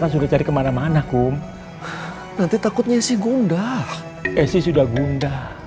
kalau edward pulang febri mau ngobrol sama siapa